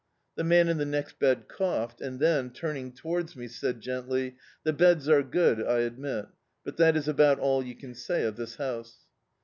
The man in the next bed coughed, and then, turning towards me, said gently — "The beds are good, I admit, but that is about all you can say of this house."